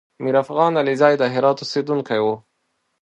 میرافغان علیزی د هرات اوسېدونکی و